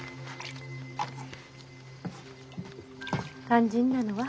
肝心なのは。